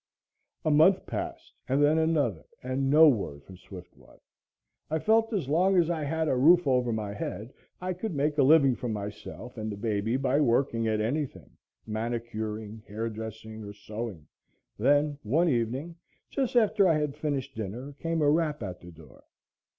A month passed and then another and no word from Swiftwater. I felt as long as I had a roof over my head, I could make a living for myself and the baby by working at anything manicuring, hairdressing or sewing. Then, one evening, just after I had finished dinner, came a rap at the door.